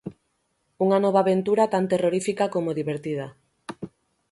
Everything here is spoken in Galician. Unha nova aventura tan terrorífica como divertida.